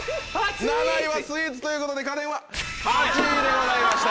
７位はスイーツということで家電は８位でございました。